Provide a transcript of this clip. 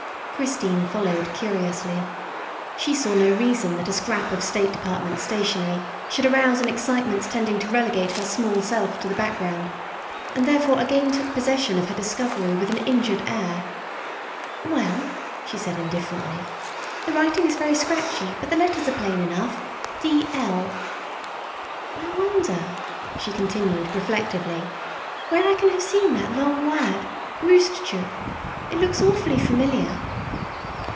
Christine followed curiously. She saw no reason that a scrap of State Department stationery should arouse an excitement tending to relegate her small self to the background, and therefore again took possession of her discovery with an injured air. " Well," she said indifferently, " the writing is very scratchy but the letters are plain enough D. L. " I wonder," she continued reflectively, " where I can have seen that long word Roostchook; it looks awfully familiar."